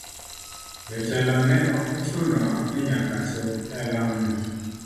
Jo telo ne ok ochuno ni nyaka chop e alam no.